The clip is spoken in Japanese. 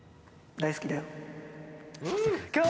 大好きだよ。